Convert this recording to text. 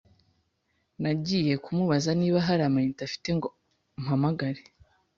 nagiye kumubaza niba hari ama unite afite ngo mpamagare